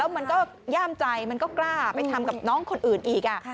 มันก็ย่ามใจมันก็กล้าไปทำกับน้องคนอื่นอีก